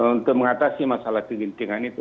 untuk mengatasi masalah kegentingan itu